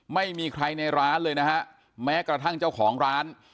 ไม่มีใครในร้านเลยนะฮะแม้กระทั่งเจ้าของร้าน